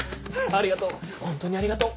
ありがとうホントにありがとう。